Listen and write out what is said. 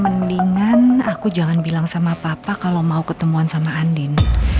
mendingan aku jangan bilang sama papa kalau mau ketemuan sama andin